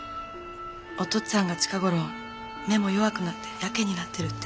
お父っつぁんが近ごろ目も弱くなって自棄になってるって。